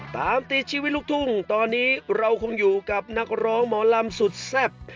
ตามตีชีวิตลูกทุ่งตอนนี้เราคงอยู่กับนักร้องหมอลำสุดแซ่บ